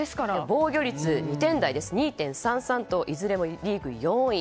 防御率、２．３３といずれもリーグ４位。